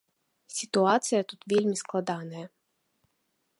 Сітуацыя тут вельмі складаная.